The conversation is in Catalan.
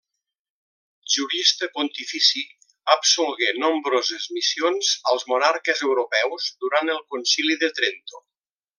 Jurista pontifici, absolgué nombroses missions als monarques europeus durant el Concili de Trento.